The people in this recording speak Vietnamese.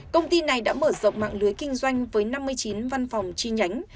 công ty này đã mở rộng mạng lưới kinh doanh với năm mươi chín văn phòng chi nhánh